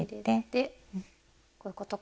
でこういうことか。